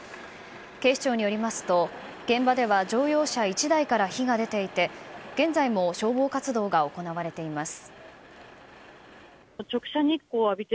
警視庁によりますと現場では乗用車１台から火が出ていて現在も消防活動が行われています。